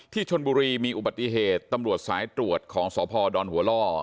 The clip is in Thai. ชนบุรีมีอุบัติเหตุตำรวจสายตรวจของสพดหัวล่อ